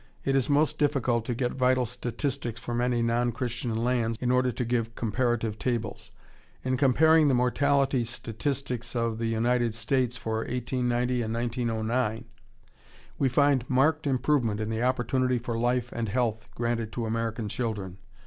It is most difficult to get vital statistics from any non Christian lands in order to give comparative tables. In comparing the mortality statistics of the United States for 1890 and 1909 we find marked improvement in the "opportunity for life and health" granted to American children.